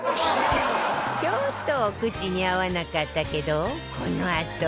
ちょっとお口に合わなかったけどこのあと